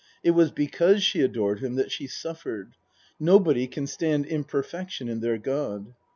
It was because she adored him that she suffered. Nobody can stand imperfection in their god.